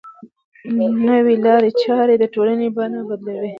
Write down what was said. نوې لارې چارې د ټولنې بڼه بدلوي.